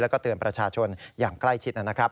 แล้วก็เตือนประชาชนอย่างใกล้ชิดนะครับ